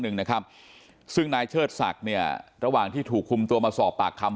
หนึ่งนะครับซึ่งนายเชิดศักดิ์เนี่ยระหว่างที่ถูกคุมตัวมาสอบปากคำ